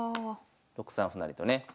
６三歩成とね。